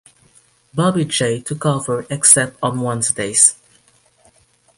Bobby Jay took over except on Wednesdays.